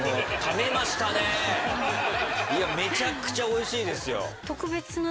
めちゃくちゃ美味しいですよ。